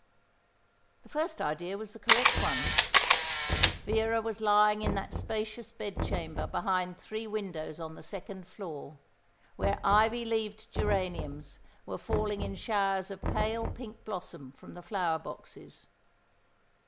The first idea was the correct one. Vera was lying in that spacious bed chamber behind three windows on the second floor, where ivy leaved geraniums were falling in showers of pale pink blossom from the flower boxes.